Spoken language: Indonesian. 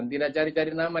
tidak cari cari nama